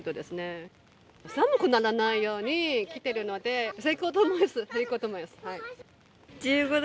寒くならないように着てるので、成功と思います。